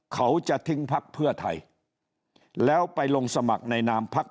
เขาจะทิ้งภักด์เพื่อไทยแล้วไปลงสมัครในนามภักด์เพื่อไทย